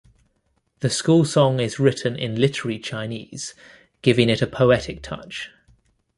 The school song is written in literary Chinese, giving it a poetic touch.